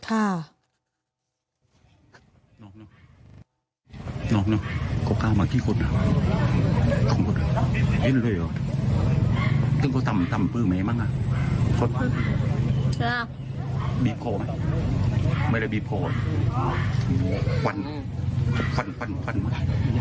ควันควันควันมาตัวทรัพย์ออกไปที่ต้องเขือ